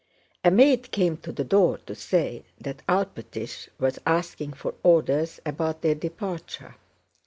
A maid came to the door to say that Alpátych was asking for orders about their departure.